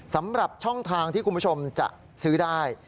สำหรับช่องทางที่คุณผู้ชมจะซื้อได้